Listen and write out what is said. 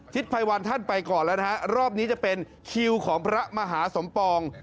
ภัยวันท่านไปก่อนแล้วนะฮะรอบนี้จะเป็นคิวของพระมหาสมปอง